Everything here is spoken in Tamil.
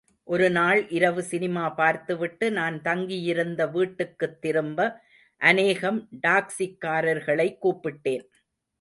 ஒருநாள் இரவு சினிமா பார்த்து விட்டு நான் தங்கியிருந்த வீட்டுக்குத் திரும்ப அனேகம் டாக்சிக்கரர்களை கூப்பிட்டேன்.